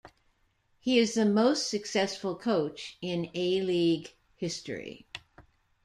He is the most successful coach in A-League history.